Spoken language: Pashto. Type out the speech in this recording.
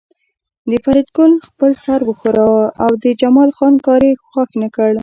فریدګل خپل سر وښوراوه او د جمال خان کار یې خوښ نکړ